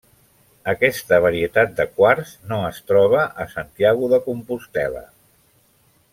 Aquesta varietat de quars no es troba a Santiago de Compostel·la.